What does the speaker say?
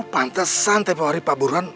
pantesan tema hari pak burhan